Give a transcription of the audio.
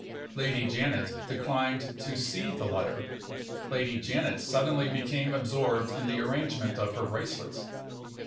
Lady Janet declined to see the letter. Lady Janet suddenly became absorbed in the arrangement of her bracelets.